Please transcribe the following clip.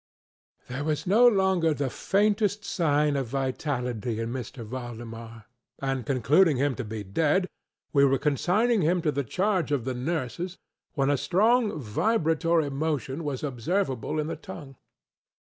There was no longer the faintest sign of vitality in M. Valdemar; and concluding him to be dead, we were consigning him to the charge of the nurses, when a strong vibratory motion was observable in the tongue.